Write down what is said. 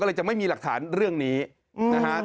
ก็เลยจะไม่มีหลักฐานเรื่องนี้นะฮะ